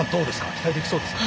期待できそうですか？